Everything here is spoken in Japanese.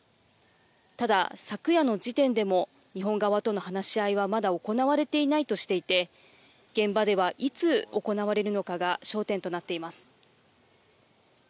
ただ、昨夜の時点でも、日本側との話し合いはまだ行われていないとしていて、現場では、いつ行われるのかが焦点となっています。